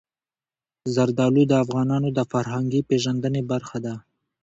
زردالو د افغانانو د فرهنګي پیژندنې برخه ده.